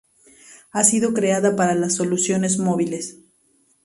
Ha sido creada para las soluciones móviles.